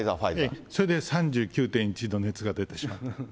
ええ、それで３９．１度熱が出てしまった。